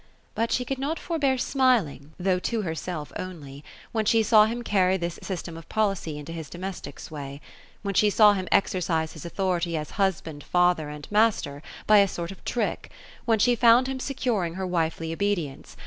But she could not forbear smiling — though to herself only — when she saw him carry this system of policy into his domestic sway. When she saw him exercise his authority as husband, father, and master, by a sort of trick ; when she found him securing her wifely obedience.